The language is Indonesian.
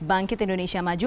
bangkit indonesia maju